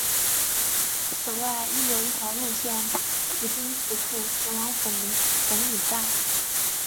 此外亦有一条路线途经此处前往粉岭站。